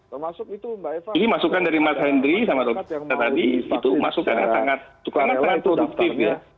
jadi masukan dari mas hendri sama dr tirta tadi itu masukan yang sangat produktif ya